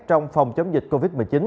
trong phòng chống dịch covid một mươi chín